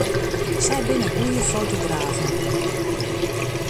Sy binne goede fotografen.